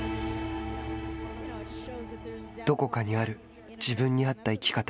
どこかにある自分に合った生き方。